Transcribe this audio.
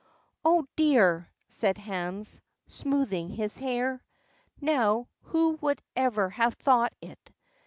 "Oh, dear!" said Hans, smoothing his hair. "Now who would ever have thought it!